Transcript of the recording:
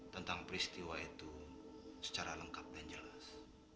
tentang peristiwa itu secara lengkap dan jelas